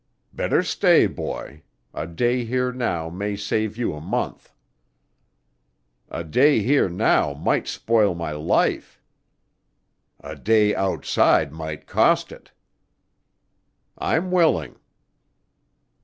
"Better stay, boy. A day here now may save you a month." "A day here now might spoil my life." "A day outside might cost it." "I'm willing."